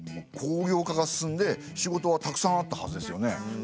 工業化が進んで仕事はたくさんあったはずですよね。